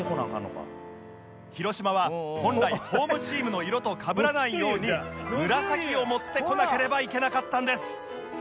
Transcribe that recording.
広島は本来ホームチームの色とかぶらないように紫を持ってこなければいけなかったんです